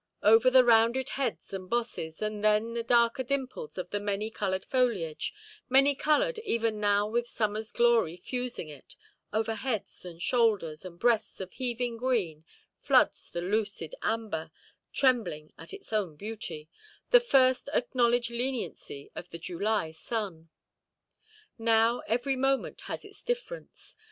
Over the rounded heads and bosses, and then the darker dimples of the many–coloured foliage—many–coloured even now with summerʼs glory fusing it—over heads and shoulders, and breasts of heaving green, floods the lucid amber, trembling at its own beauty—the first acknowledged leniency of the July sun. Now every moment has its difference.